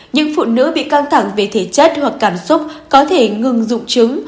những phụ nữ bị căng thẳng về thể chất hoặc cảm xúc có thể ngừng dụng trứng